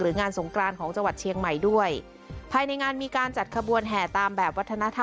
รวมทั้งยังถือเป็นการเริ่มต้นงานประเพณีปีใหม่เมือง